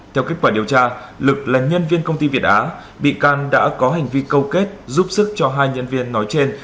theo kết quả điều tra lực là nhân viên công ty việt á bị can đã có hành vi câu kết giúp sức cho hai nhân viên nói trên